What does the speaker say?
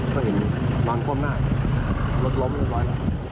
ก็เห็นร้อนคว่ำหน้ารถล้มอยู่ไว้